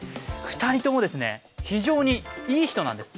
２人とも非常にいい人なんです。